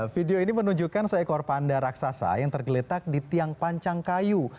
video ini menunjukkan seekor panda raksasa yang tergeletak di tiang pancang kayu